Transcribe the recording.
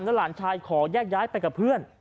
หลานชายขอแยกย้ายไปกับเพื่อน